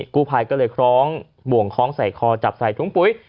กู้ภัยก็เลยคล้องบ่วงคล้องใส่คอจับใส่ถุงปุ๋ย